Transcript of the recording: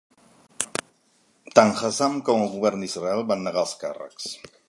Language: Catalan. Tant Azzam com el govern d'Israel van negar els càrrecs.